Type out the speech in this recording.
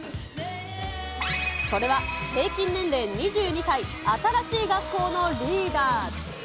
それは平均年齢２２歳、新しい学校のリーダーズ。